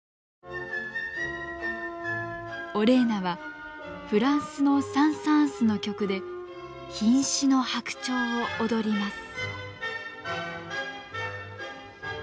オレーナはフランスのサン＝サーンスの曲で「瀕死の白鳥」を踊ります。